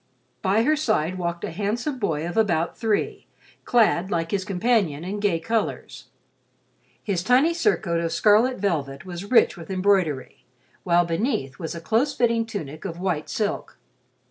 By her side walked a handsome boy of about three, clad, like his companion, in gay colors. His tiny surcoat of scarlet velvet was rich with embroidery, while beneath was a close fitting tunic of white silk.